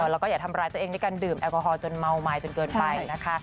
แล้วก็อย่าทำร้ายตัวเองด้วยการดื่มแอลกอฮอลจนเมาไม้จนเกินไปนะคะ